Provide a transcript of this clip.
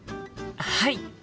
はい！